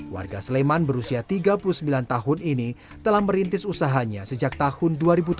warga sleman berusia tiga puluh sembilan tahun ini telah merintis usahanya sejak tahun dua ribu tujuh belas